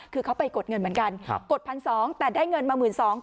คือเขาไปกดเงินเหมือนกันกดพันสองแต่ได้เงินมาหมื่นสอง